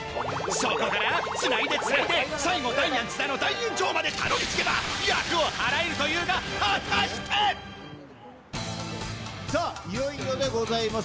そこからつないでつないで最後、ダイアン・津田の大炎上までたどりつけば厄を払えるというが、さあ、いよいよでございます。